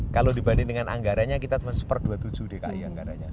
kalau dibandingkan anggaranya kita cuma satu dua puluh tujuh per dikai anggaranya